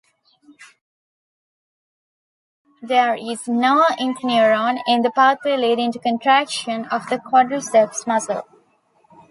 There is no interneuron in the pathway leading to contraction of the quadriceps muscle.